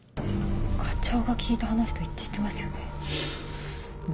課長が聞いた話と一致してますよね。